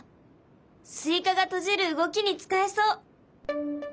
スイカが閉じる動きに使えそう。